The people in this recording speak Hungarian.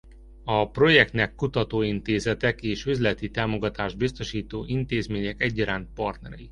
A projektnek kutatóintézetek és üzleti támogatást biztosító intézmények egyaránt partnerei.